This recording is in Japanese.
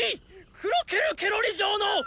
クロケル・ケロリ嬢のおなり！